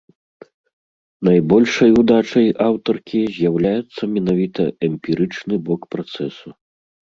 Найбольшай удачай аўтаркі з'яўляецца менавіта эмпірычны бок працэсу.